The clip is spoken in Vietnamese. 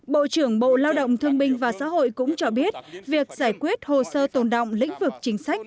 bộ trưởng bộ lao động thương binh và xã hội cũng cho biết việc giải quyết hồ sơ tồn động lĩnh vực chính sách